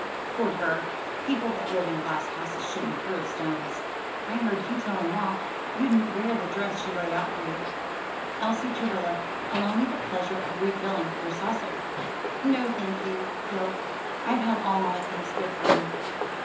"Pooh, Ger! people that live in glass houses shouldn't throw stones. I heard you telling ma you wouldn't wear the dress she'd laid out for you. Elsie Travilla, allow me the pleasure of refilling your saucer." "No, thank you, Phil, I've had all mamma thinks good for me."